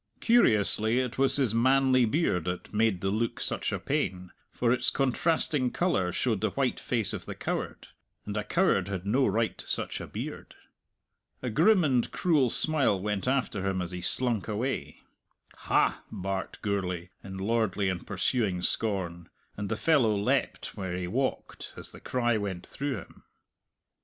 Curiously it was his manly beard that made the look such a pain, for its contrasting colour showed the white face of the coward and a coward had no right to such a beard. A grim and cruel smile went after him as he slunk away. "Ha!" barked Gourlay, in lordly and pursuing scorn, and the fellow leapt where he walked as the cry went through him.